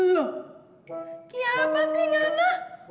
loh kia apa sih nana